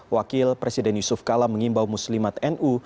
wakil presiden yusuf kala mengimbau muslimat nu